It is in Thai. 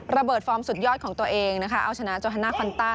ฟอร์มสุดยอดของตัวเองนะคะเอาชนะโจฮาน่าคอนต้า